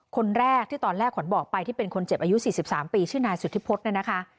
คนแรกที่ตอนแรกขนบอกไปที่เป็นคนเจ็บอายุสี่สิบสามปีชื่อนายสุธิพฤตนี่นะคะ